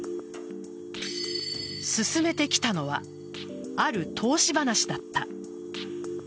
勧めてきたのはある投資話だった。